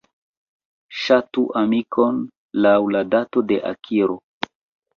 Ŝatu amikon laŭ la dato de akiro.